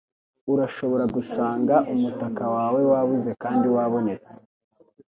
Urashobora gusanga umutaka wawe wabuze kandi wabonetse.